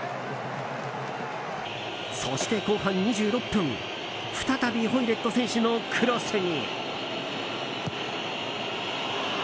そして後半２６分再びホイレット選手のクロスに。